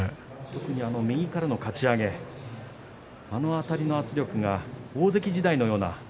特に右からのかち上げ、あのあたりの圧力が大関時代のような。